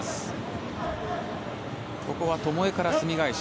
ここはともえからすみ返し。